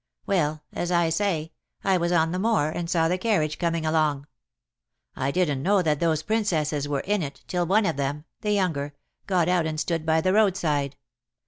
Well, as I say, I was on the moor and saw the carriage coming along. I didn't know that those Princesses were in it till one of them the younger got out and stood by the roadside.